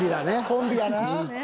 コンビやな。